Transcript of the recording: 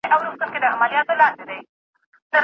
دوی د بېوزلۍ د ختمولو لارې لټولې.